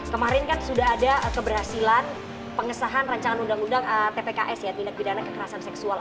kemarin kan sudah ada keberhasilan pengesahan rancangan undang undang tpks ya tindak pidana kekerasan seksual